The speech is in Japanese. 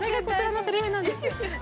こちらのせりふなんですよ。